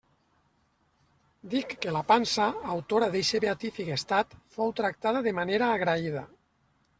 Dic que la pansa, autora d'eixe beatífic estat, fou tractada de manera agraïda.